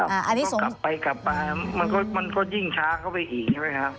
อ่าครับกลับไปกลับไปมันก็ยิ่งช้าเข้าไปอีกไหมครับ